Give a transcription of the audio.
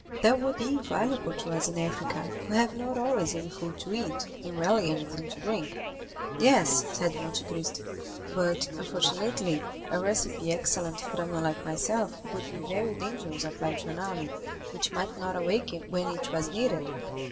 "That would be invaluable to us in Africa, who have not always any food to eat, and rarely anything to drink." "Yes," said Monte Cristo; "but, unfortunately, a recipe excellent for a man like myself would be very dangerous applied to an army, which might not awake when it was needed."